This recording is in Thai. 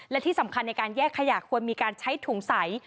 และที่สำคัญในการแยกขยะควรมีการใช้ถุงใส